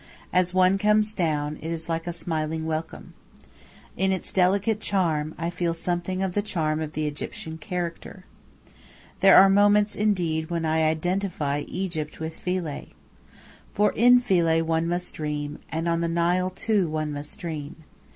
As one comes down, it is like a smiling welcome. In its delicate charm I feel something of the charm of the Egyptian character. There are moments, indeed, when I identify Egypt with Philae. For in Philae one must dream; and on the Nile, too, one must dream.